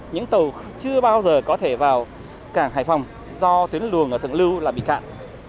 những tàu chưa bao giờ có thể vào cảng hải phòng do tuyến luồng ở thượng lưu là bị cạn